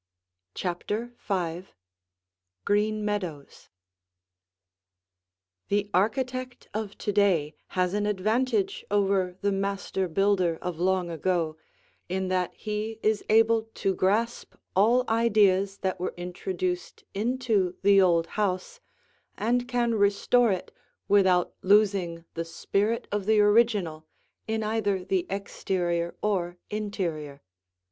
CHAPTER V GREEN MEADOWS The architect of to day has an advantage over the master builder of long ago in that he is able to grasp all ideas that were introduced into the old house and can restore it without losing the spirit of the original in either the exterior or interior.